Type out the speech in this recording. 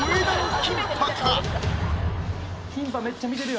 キンパめっちゃ見てるよ